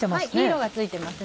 色がついてます。